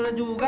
yang bener mas